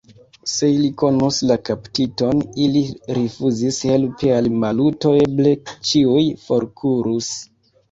Se ili konus la kaptiton, ili rifuzus helpi al Maluto, eble ĉiuj forkurus.